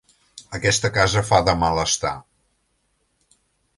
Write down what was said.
Aquesta casa fa de mal estar.